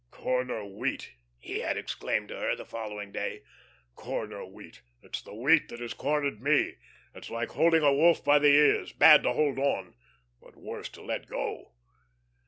"Corner wheat!" he had exclaimed to her, the following day. "Corner wheat! It's the wheat that has cornered me. It's like holding a wolf by the ears, bad to hold on, but worse to let go."